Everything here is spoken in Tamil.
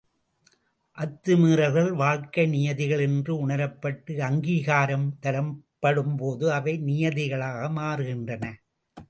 அத்துமீறல்கள் வாழ்க்கை நியதிகள் என்று உணரப்பட்டு அங்கீகாரம் தரப்படும்போது அவை நியதிகளாக மாறுகின்றன.